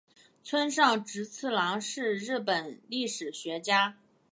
村上直次郎是日本历史学家。